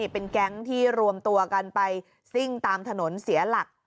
เป็นแก๊งที่รวมตัวกันไปซิ่งตามถนนเสียหลัก